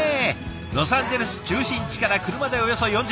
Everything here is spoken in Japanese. ロサンゼルス中心地から車でおよそ４０分。